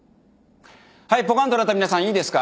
はいポカンとなった皆さんいいですか。